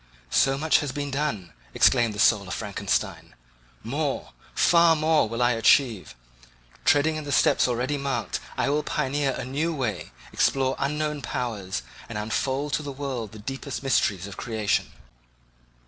So much has been done, exclaimed the soul of Frankenstein—more, far more, will I achieve; treading in the steps already marked, I will pioneer a new way, explore unknown powers, and unfold to the world the deepest mysteries of creation.